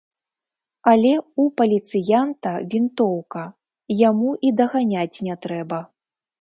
Але ў паліцыянта вінтоўка, яму і даганяць не трэба.